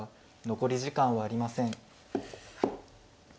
残り時間はありません。